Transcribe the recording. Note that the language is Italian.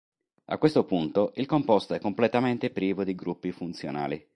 A questo punto il composto è completamente privo di gruppi funzionali.